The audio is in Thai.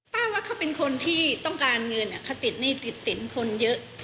ว่าเขาเป็นคนที่ต้องการเงินเขาติดหนี้ติดสินคนเยอะ